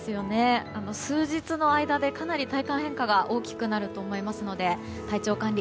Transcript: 数日の間でかなり体感の変化が大きくなると思いますので体調管理